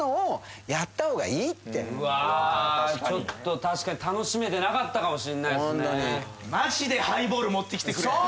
うわちょっと確かに楽しめてなかったかもしんない。